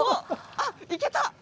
あっ、いけた。